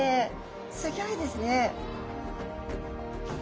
すギョいですね。